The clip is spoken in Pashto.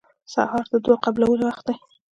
سهار د دعا قبولو وخت دی.